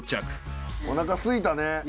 おなかすいた。